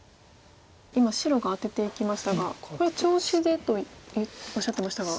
今白がアテていきましたがこれ調子でとおっしゃってましたが。